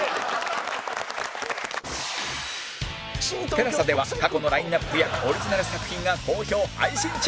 ＴＥＬＡＳＡ では過去のラインアップやオリジナル作品が好評配信中！